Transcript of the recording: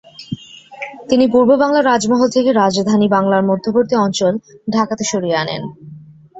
তিনি পূর্ব বাংলা রাজমহল থেকে রাজধানী বাংলার মধ্যবর্তী অঞ্চল ঢাকাতে সরিয়ে আনেন।